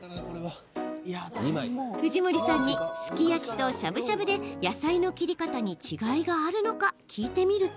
藤森さんに、すき焼きとしゃぶしゃぶで野菜の切り方に違いがあるのか聞いてみると。